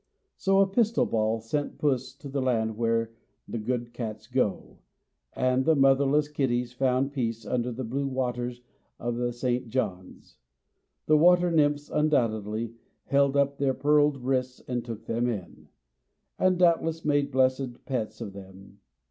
So a pistol ball sent Puss to the land where the good cats go; and the motherless kitties found peace under the blue waters of the St. John's. The water nymphs, undoubtedly, "held up their pearled wrists and took them in," and doubtless made blessed pets of them.